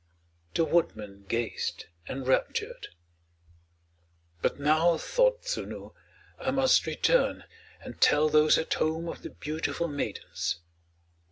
The woodman gazed enraptured. "But now," thought Tsunu, "I must return, and tell those at home of the beautiful maidens."